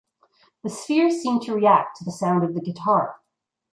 The sphere seemed to react to the sound of the guitar.